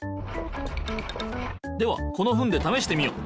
ではこのフンでためしてみよう。